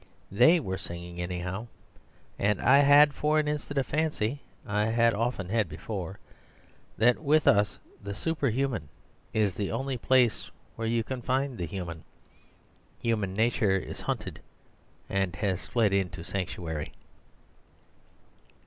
THEY were singing anyhow; and I had for an instant a fancy I had often had before: that with us the super human is the only place where you can find the human. Human nature is hunted and has fled into sanctuary.